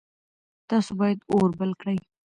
تاسو باید اور بل کړئ.